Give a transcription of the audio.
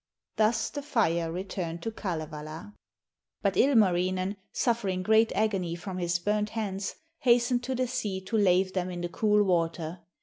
Thus the fire returned to Kalevala. But Ilmarinen, suffering great agony from his burnt hands, hastened to the sea to lave them in the cool water.